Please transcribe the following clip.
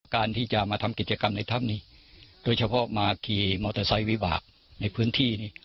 การที่จะมาทำกิจกรรมในถ้ำนี้โดยเฉพาะมาขี่มอเตอร์ไซค์วิบากในพื้นที่นี่